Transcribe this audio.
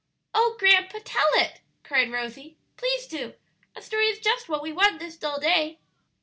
"Oh, grandpa, tell it!" cried Rosie; "please do; a story is just what we want this dull day."